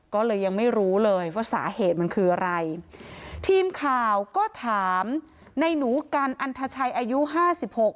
ก็เลยยังไม่รู้เลยว่าสาเหตุมันคืออะไรทีมข่าวก็ถามในหนูกันอันทชัยอายุห้าสิบหก